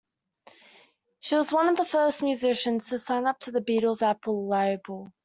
She was one of the first musicians to sign to The Beatles' Apple label.